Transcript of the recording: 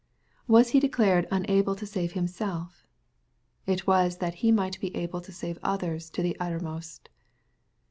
— ^Was he declared unable to save Himself ? It was that He might be able to save others to the uttermost.